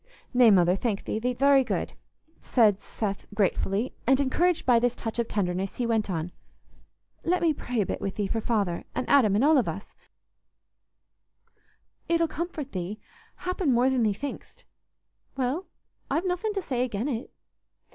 "Nay, Mother, thank thee; thee't very good," said Seth, gratefully; and encouraged by this touch of tenderness, he went on: "Let me pray a bit with thee for Father, and Adam, and all of us—it'll comfort thee, happen, more than thee thinkst." "Well, I've nothin' to say again' it."